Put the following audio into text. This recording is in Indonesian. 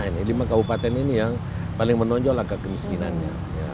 ini adalah kabupaten yang paling menonjol kemiskinannya